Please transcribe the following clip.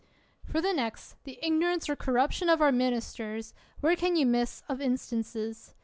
For the next, the ignorance or corruption of our ministers, where can you miss of instances?